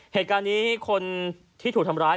เหตุการณ์นี้คนที่ถูกทำร้าย